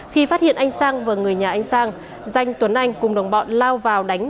khi phát hiện anh sang và người nhà anh sang danh tuấn anh cùng đồng bọn lao vào đánh